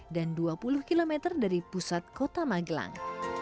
dan dua puluh km dari pusat kota magelang